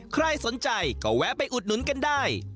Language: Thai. ใครสนใจก็แวะไปอุดหนุนกันได้